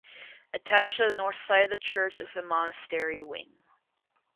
Attached to the north side of the church is the monastery wing.